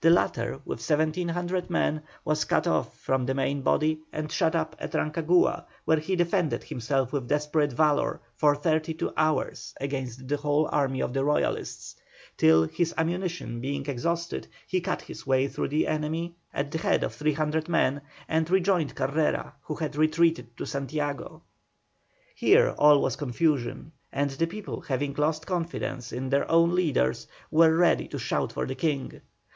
The latter, with 1,700 men, was cut off from the main body and shut up in Rancagua, where he defended himself with desperate valour for thirty two hours against the whole army of the Royalists, till, his ammunition being exhausted, he cut his way through the enemy at the head of 300 men, and rejoined Carrera, who had retreated to Santiago. Here all was confusion; and the people having lost confidence in their own leaders were ready to shout for the King.